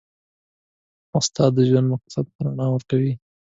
استاد د ژوند مقصد ته رڼا ورکوي.